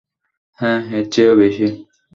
হ্যাঁ, এর চেয়েও বেশি।